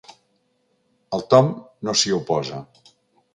El Tom no s'hi oposa.